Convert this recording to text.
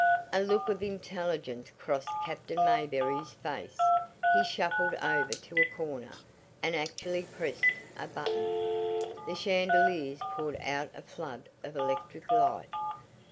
A look of intelligence crossed Captain Mayberry's face. He shuffled over to a corner, and actually pressed a button. The chandeliers poured out a flood of electric light.